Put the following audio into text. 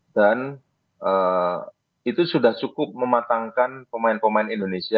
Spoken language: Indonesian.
dan itu sudah cukup mematangkan pemain pemain indonesia